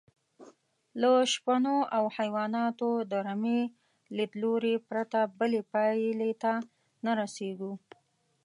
له شپنو او حیواناتو د رمې لیدلوري پرته بلې پایلې ته نه رسېږو.